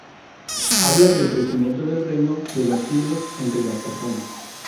Habla del crecimiento del reino de los cielos entre las personas.